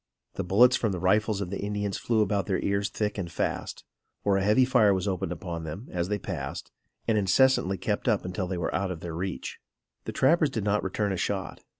The bullets from the rifles of the Indians flew about their ears thick and fast, for a heavy fire was opened upon them, as they passed, and incessantly kept up until they were out of their reach. The trappers did not return a shot.